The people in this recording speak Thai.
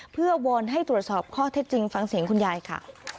เพื่อวอนให้ตรวจสอบข้อเท็จจริงฟังเสียงคุณยายค่ะ